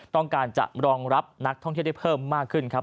ต้องการจะรองรับนักท่องเที่ยวได้เพิ่มมากขึ้นครับ